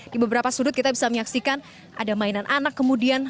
di beberapa sudut kita bisa menyaksikan ada mainan anak kemudian